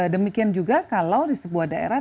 demikian juga kalau di sebuah daerah